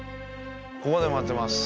ここで待ってます。